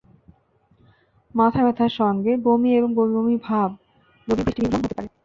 মাথাব্যথার সঙ্গে বমি এবং বমি বমি ভাব রোগীর দৃষ্টিবিভ্রম হতে পারে।